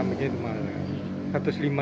keramiknya itu mahal ya